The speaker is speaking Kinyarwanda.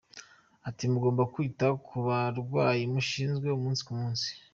Ati “Mugomba kwita ku barwayi mushinzwe umunsi ku munsi.